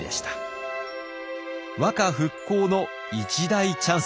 和歌復興の一大チャンス。